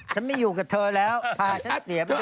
ฉันไม่อยู่กับเธอแล้วพาฉันเสียไปแล้ว